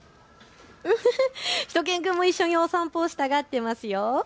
しゅと犬くんも一緒にお散歩をしたがっていますよ。